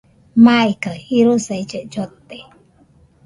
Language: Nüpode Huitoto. Maikaɨ jirosaille llote